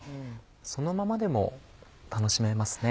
そのままでも楽しめますね。